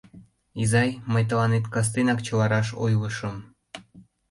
Изай, мый тыланет кастенак чыла раш ойлышым.